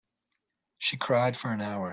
She cried for an hour.